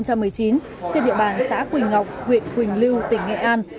trên địa bàn xã quỳnh ngọc huyện quỳnh lưu tỉnh nghệ an